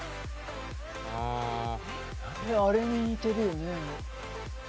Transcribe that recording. あれに似てるよね。